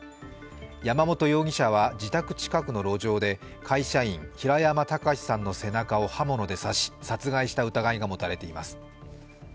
山本容疑者は自宅近くの路上で会社員・平山喬司さんの背中を刃物で刺し殺害した疑いが持たれています。